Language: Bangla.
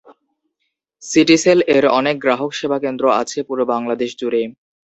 সিটিসেল এর অনেক গ্রাহক সেবা কেন্দ্র আছে পুরো বাংলাদেশ জুড়ে।